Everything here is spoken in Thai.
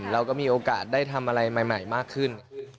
เราก็มีโอกาสได้ทำอะไรใหม่มากขึ้น